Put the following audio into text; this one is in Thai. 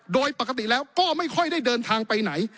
โดยปกติแล้วก็ไม่ค่อยได้เดินทางไปไหน